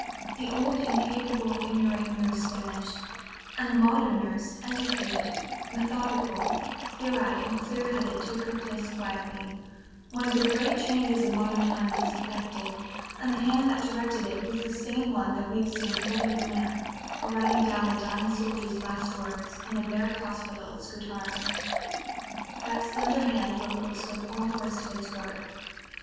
The old incapable, ignorant nurse vanished, and the modern nurse, educated, methodical, clear eyed and clear headed, took her place quietly; one of the great changes of modern times was effected, and the hand that directed it was the same one that we have seen holding the lamp, or writing down the dying soldier's last words, in the Barrack Hospital at Scutari. That slender hand wrote books with all the rest of its work.